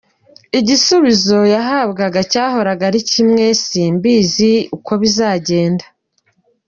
Igisubizo yahabwaga cyahoraga ari kimwe ‘simbizi uko bizagenda’.